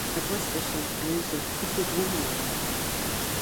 Ак уасҳәашан, аҩыза, ус уӷәӷәоума уара?